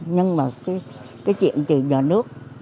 nhưng mà cái chuyện truyền vào nước